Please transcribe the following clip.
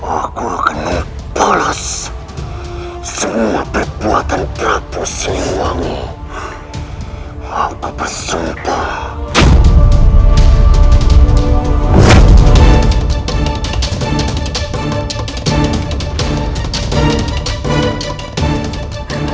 aku kenal balas semua perbuatan berpusing wangi aku bersumpah